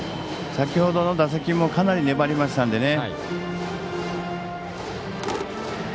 先程の打席もかなり粘りましたのでね。